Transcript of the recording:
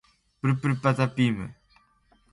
Keɓol leydi e saɗi wakkati jooni.